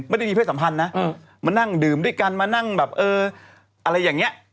ไม่ได้มีเพศสัมพันธ์นะมานั่งดื่มด้วยกันมานั่งแบบเอออะไรอย่างนี้